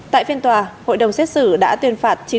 tại phiên tòa hội đồng xét xử đã đưa ra một thông tin